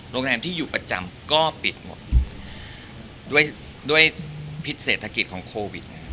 โรงแรมที่อยู่ประจำก็ปิดหมดด้วยด้วยพิษเศรษฐกิจของโควิด